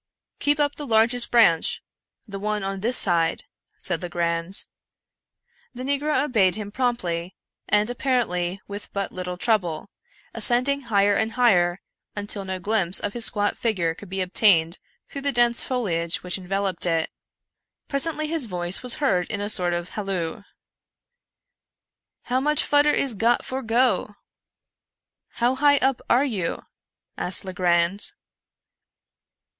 " Keep up the largest branch — the one on this side," said Legrand. The negro obeyed him promptly, and apparently with but little trouble ; ascending higher and higher, until no glimpse of his squat figure could be obtained through the dense foliage which enveloped it. Presently his voice was heard in a sort of halloo. " How much fudder is got for go ?"" How high up are you ?" asked Legrand.